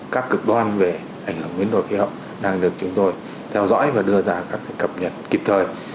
các cực đoan về ảnh hưởng biến đổi khí hậu đang được chúng tôi theo dõi và đưa ra các sự cập nhật kịp thời